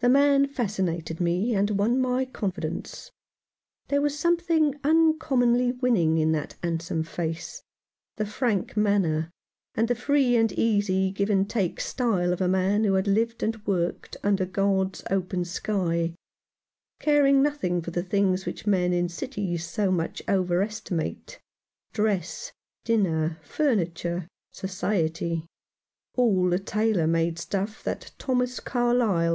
The man fascinated me and won my confidence. There was something uncommonly winning in that handsome face, the frank manner, and the free and easy give and take style of a man who had lived and worked under God's open sky, caring nothing for the things which men in cities so much over estimate — dress, dinner, furniture, society — all the tailor made stuff that Thomas Carlyle 179 Rough Justice.